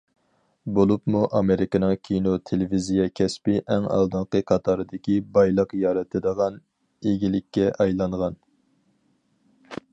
بولۇپمۇ ئامېرىكىنىڭ كىنو- تېلېۋىزىيە كەسپى ئەڭ ئالدىنقى قاتاردىكى بايلىق يارىتىدىغان ئىگىلىككە ئايلانغان.